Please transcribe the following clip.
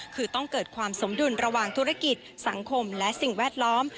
คือต้องเกิดความสมดุลระหว่างธุรกิจสังคมและสิ่งแวดล้อม